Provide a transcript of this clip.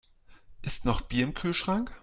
Ist noch Bier im Kühlschrank?